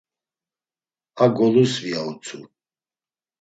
A golusvi, ya utzu.